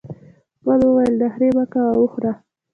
احمد وويل: نخرې مه کوه وخوره.